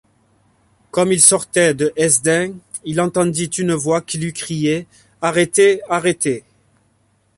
Comme il sortait de Hesdin, il entendit une voix qui lui criait: arrêtez! arrêtez !